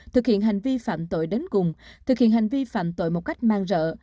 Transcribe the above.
thực hiện hành vi phạm tội đến cùng thực hiện hành vi phạm tội một cách mang rỡ